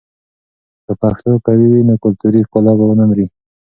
که پښتو قوي وي، نو کلتوري ښکلا به ونه مري.